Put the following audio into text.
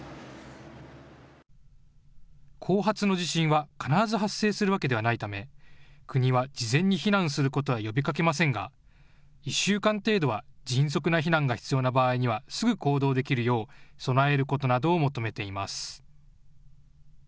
後発の地震は必ず発生するわけではないため、国は事前に避難することは呼びかけませんが１週間程度は迅速な避難が必要な場合にはすぐ行動できるよう備えることなどを求めています。